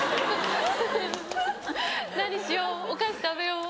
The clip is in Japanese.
何しよう